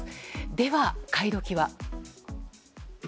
では、買い時は。